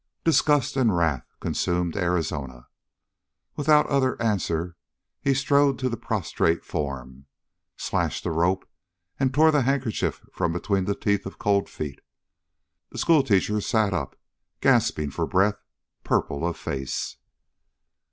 Disgust and wrath consumed Arizona. Without other answer he strode to the prostrate form, slashed the rope and tore the handkerchief from between the teeth of Cold Feet. The schoolteacher sat up, gasping for breath, purple of face.